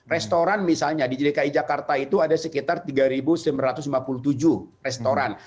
restoran misalnya di dki jakarta itu ada sekitar tiga sembilan ratus lima puluh tujuh restoran